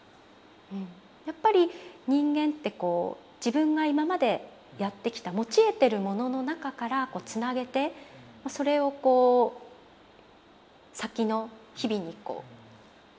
やっぱり人間ってこう自分が今までやってきた持ち得てるものの中からつなげてそれをこう先の日々にこうつなげていきたいと思うんですかね。